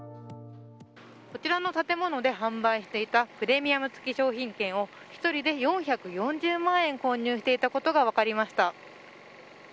こちらの建物で販売していたプレミアム付商品券を１人で４４０万円購入していたことが分かりました。